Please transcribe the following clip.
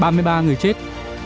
ba mươi ba người chết